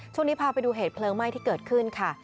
ช่วงนี้พาไปดูเผลิงไหม้ที่เกิดขึ้นค่ะ